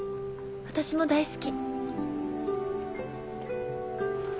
私も大好き。